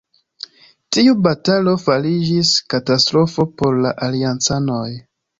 Tiu batalo fariĝis katastrofo por la aliancanoj.